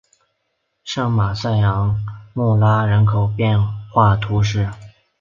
圣马塞昂缪拉人口变化图示